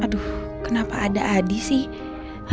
aduh kenapa ada adi sih